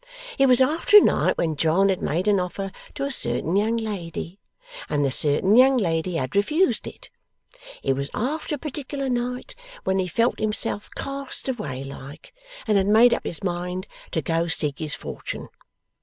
It was after a night when John had made an offer to a certain young lady, and the certain young lady had refused it. It was after a particular night, when he felt himself cast away like, and had made up his mind to go seek his fortune.